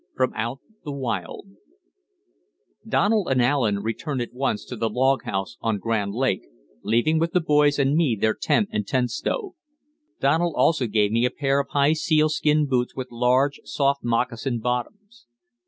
FROM OUT THE WILD Donald and Allen returned at once to the log house on Grand Lake, leaving with the boys and me their tent and tent stove. Donald also gave me a pair of high sealskin boots with large, soft moccasin bottoms.